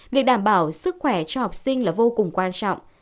việc đảm bảo sức khỏe cho học sinh là vô cùng quan trọng